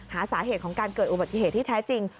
หาสาเหตุของการเกิดอุบัติเหตุที่แท้จริง